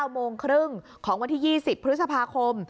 โมงครึ่งของวันที่๒๐พฤษภาคม